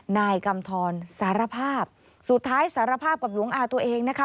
นายกำทรสารภาพสุดท้ายสารภาพกับหลวงอาตัวเองนะคะ